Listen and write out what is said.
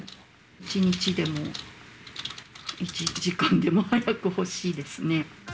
１日でも１時間でも早く欲しいですね。